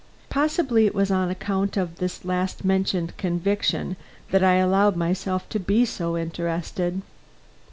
Possibly it was on account of this last mentioned conviction that I allowed myself to be so interested.